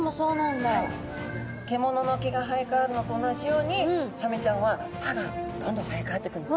獣の毛が生えかわるのと同じようにサメちゃんは歯がどんどん生えかわってくるんですね。